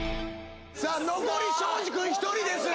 さあ残り庄司くん１人です